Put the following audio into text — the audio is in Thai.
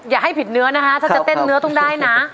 อย่าให้ผิดเนื้อนะคะถ้าจะเต้นเนื้อต้องได้นะ